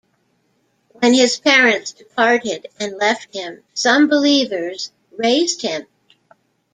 When his parents departed and left him, some believers raised him.